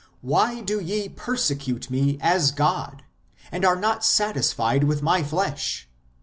Why do ye persecute me as God, And are not satisfied with my flesh